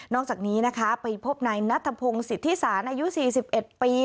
นอกจากนี้นะคะไปพบในนัทพงศ์สิทธิษฐานอายุ๔๑ปี